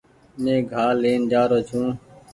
مينٚ گھاه لين جآرو ڇوٚنٚ